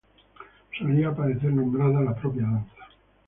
Solía aparecer nombrada la propia danza.